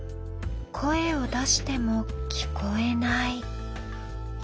声を出しても聞こえない。